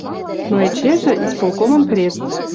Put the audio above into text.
Но эчежӹ — исполкомын пред.